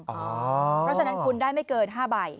เพราะฉะนั้นคุณได้ไม่เกิน๕ใบ